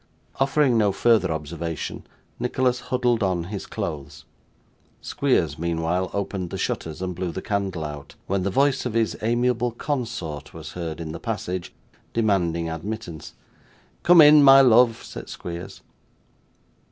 Offering no further observation, Nicholas huddled on his clothes. Squeers, meanwhile, opened the shutters and blew the candle out; when the voice of his amiable consort was heard in the passage, demanding admittance. 'Come in, my love,' said Squeers.